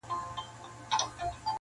چي یوه ورځ په حادثه کي مرمه -